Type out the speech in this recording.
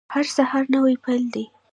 هر سهار نوی پیل دی